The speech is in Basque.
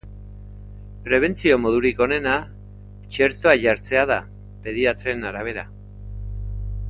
Prebentzio modurik onena txertoa jartzea da, pediatren arabera.